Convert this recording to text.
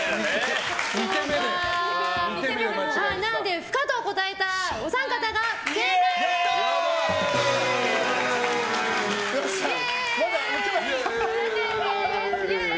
なので不可と答えたお三方がイエーイ！